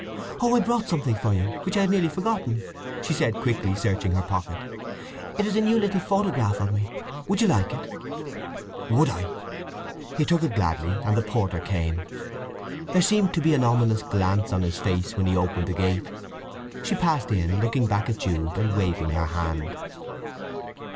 "Oh, I bought something for you, which I had nearly forgotten," she said quickly, searching her pocket. "It is a new little photograph of me. Would you like it?" "Would I!" He took it gladly, and the porter came. There seemed to be an ominous glance on his face when he opened the gate. She passed in, looking back at Jude, and waving her hand.